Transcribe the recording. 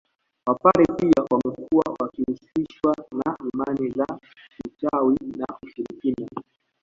Wapare pia wamekuwa wakihusishwa na imani za uchawi na ushirikina